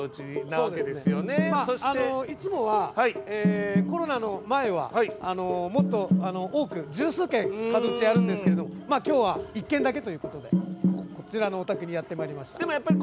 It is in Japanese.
いつもは、コロナの前はもっと多く、十数軒門打ちやるんですけど１軒だけということでこちらのお宅にやってきました。